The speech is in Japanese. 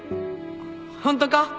ホントか？